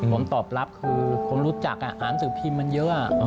ผมตอบรับคือคนรู้จักอ่านหนังสือพิมพ์มันเยอะ